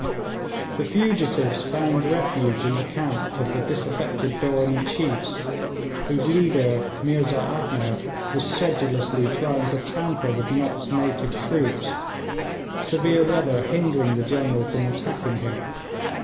The fugitives found refuge in the camp of the disaffected Dooranee chiefs, whose leader Meerza Ahmed was sedulously trying to tamper with Nott's native troops, severe weather hindering the General from attacking him.